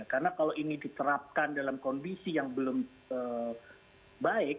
karena kalau ini diterapkan dalam kondisi yang belum baik